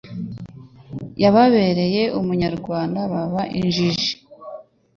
Yababereye umunyarwanda baba injiji